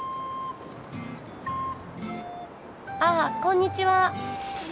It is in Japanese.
あっこんにちは。